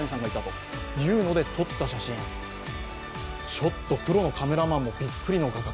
ちょっとプロのカメラマンもびっくりの画角。